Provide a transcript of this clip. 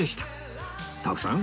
徳さん